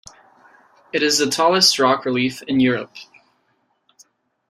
It is the tallest rock relief in Europe.